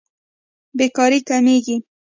بېکاري کمېږي.